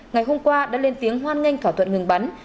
ngày hôm qua đã lên tiếng hoan nghênh thỏa thuận ngừng bắn